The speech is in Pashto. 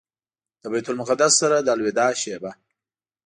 له بیت المقدس سره د الوداع شېبه.